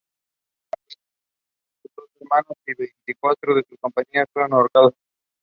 The final was contested by Uruguayan Nacional and Argentine Boca Juniors.